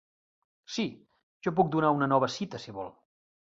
Sí, jo puc donar una nova cita si vol.